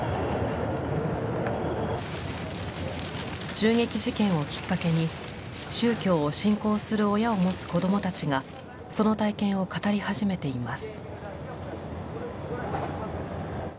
銃撃事件をきっかけに宗教を信仰する親を持つ子供たちがその体験を語り始めています。